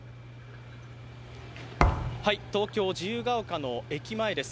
東京・自由が丘の駅前です。